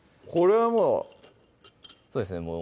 これはもうそうですね